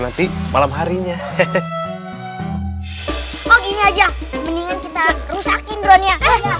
nanti malam harinya oh gini aja mendingan kita rusakin drone nya